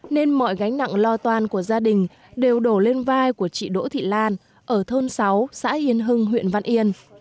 nên mọi gánh nặng lo toan của gia đình đều đổ lên vai của chị đỗ thị lan ở thôn sáu xã yên hưng huyện văn yên